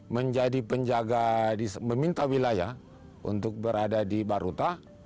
menjadi penjaga meminta wilayah untuk berada di baruta